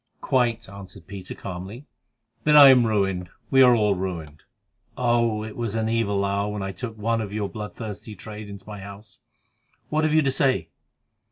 "Quite," answered Peter calmly. "Then I am ruined; we are all ruined. Oh! it was an evil hour when I took one of your bloodthirsty trade into my house. What have you to say?"